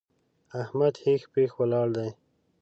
احمد هېښ پېښ ولاړ دی!